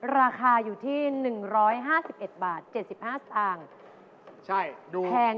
ราคาอยู่ที่๑๕๑บาท๗๕สตางค์